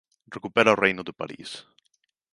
Recupera o reino de París.